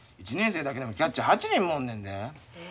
１年生だけでもキャッチャー８人もおんねんで。